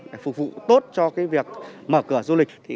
để phục vụ tốt cho việc mở cửa du lịch